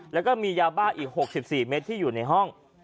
แล้วก็มียาบ้าอีก๖๔เมตรที่อยู่ในห้อง